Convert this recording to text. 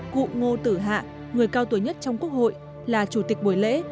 cụ ngô tử hạ người cao tuổi nhất trong quốc hội là chủ tịch buổi lễ